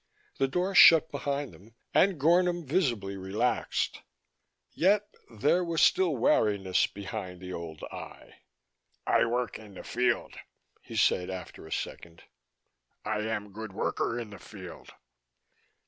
The door shut behind them and Gornom visibly relaxed. Yet there was still wariness behind the old eye. "I work in the field," he said after a second. "I am good worker in the field."